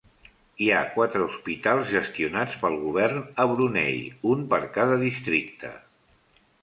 Hi ha quatre hospitals gestionats pel govern a Brunei, un per cada districte.